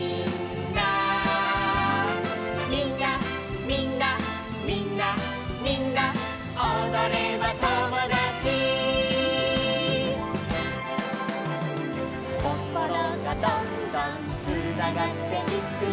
「みんなみんなみんなみんなおどればともだち」「こころがどんどんつながっていくよ」